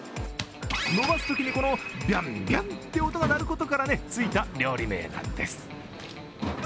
伸ばすときに、このビャンビャンって音が鳴ることからついた料理芽衣なんです。